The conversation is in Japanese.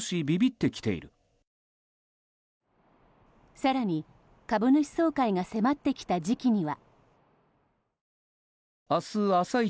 更に、株主総会が迫ってきた時期には。